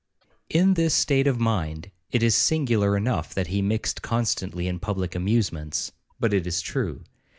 In this state of mind, it is singular enough that he mixed constantly in public amusements, but it is true.